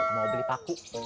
mau beli paku